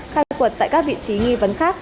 khai quật tại các vị trí nghi vấn khác